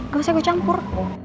ga usah gue campur